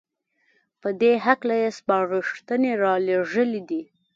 په دې هکله يې سپارښنې رالېږلې دي